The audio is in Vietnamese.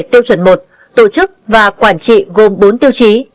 tiêu chuẩn một tổ chức và quản trị gồm bốn tiêu chí